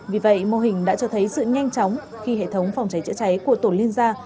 vì vậy mô hình đã cho thấy sự nhanh chóng khi hệ thống phòng cháy chữa cháy của tổ liên gia